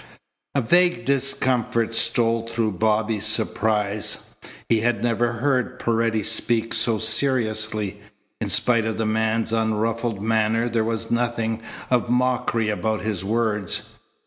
A vague discomfort stole through Bobby's surprise. He had never heard Paredes speak so seriously. In spite of the man's unruffled manner there was nothing of mockery about his words.